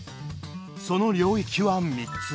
その領域は３つ。